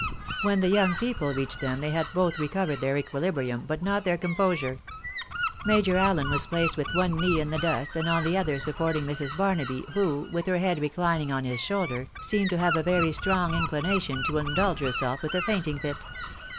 When the young people reached them, they had both reco vered their equilibrium, but not their composure. Major Allen was placed with one knee in the dust, and on the other supporting Mrs. Barnaby, who, with her head reclining on his shoulder, seemed to have a very strong inclination to indulge herself with a fainting fit.